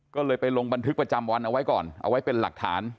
ก็เลยไปลงบันทึกประจำวันเอาไว้ก่อนเอาไว้เป็นหลักฐาน